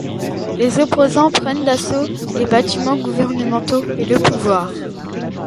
Les opposants prennent d'assaut les bâtiments gouvernementaux, et le pouvoir.